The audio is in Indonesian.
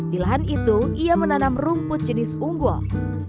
di lahan itu ia menanam rumput jenis unggul